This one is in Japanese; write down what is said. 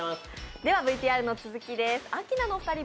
ではＶＴＲの続きです。